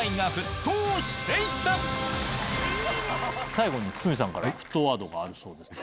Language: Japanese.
最後に堤さんから沸騰ワードがあるそうですが。